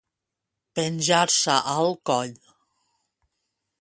Penjar-se al coll.